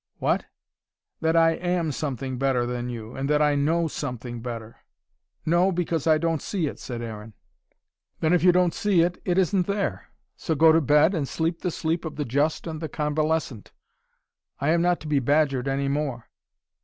"What?" "That I AM something better than you, and that I KNOW something better?" "No, because I don't see it," said Aaron. "Then if you don't see it, it isn't there. So go to bed and sleep the sleep of the just and the convalescent. I am not to be badgered any more."